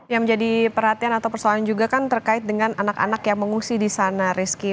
yang menjadi perhatian atau persoalan juga kan terkait dengan anak anak yang mengungsi di sana rizky